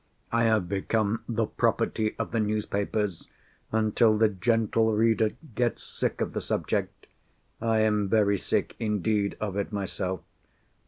I have become the property of the newspapers, until the gentle reader gets sick of the subject. I am very sick indeed of it myself.